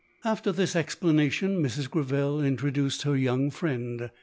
After this explanation, Mrs. Greville intro duced her young friend.